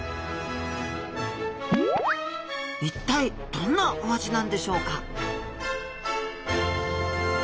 一体どんなお味なんでしょうか？